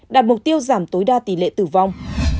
đạt mục tiêu giảm tối đa tỷ lệ tử vong